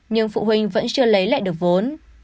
nhưng phụ huynh vẫn chưa lấy lại được vốn